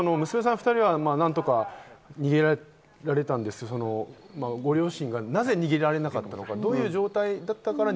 ２人は何とか逃げられたんですが、どうして両親が逃げられなかったのか。